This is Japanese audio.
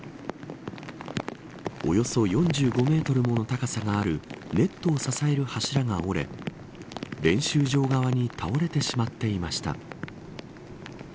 およそ４５メートルもの高さがあるネットを支える柱が折れ練習場側に倒れてしまっていました。